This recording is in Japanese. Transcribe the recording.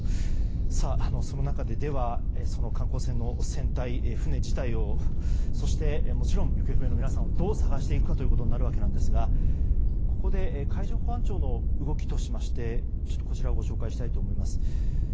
その中で、観光船の船体船自体をそして、行方不明の皆さんをどう捜していくかということになるわけですがここで海上保安庁の動きとしてこちらご紹介したいと思います。